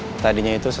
bila mereka abi berscob